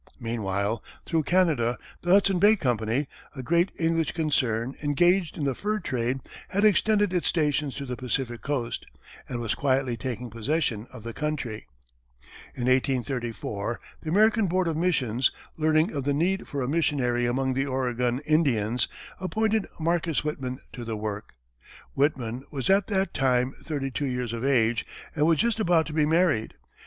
Meanwhile through Canada, the Hudson Bay Company, a great English concern engaged in the fur trade, had extended its stations to the Pacific coast, and was quietly taking possession of the country. In 1834, the American board of missions, learning of the need for a missionary among the Oregon Indians, appointed Marcus Whitman to the work. Whitman was at that time thirty two years of age and was just about to be married.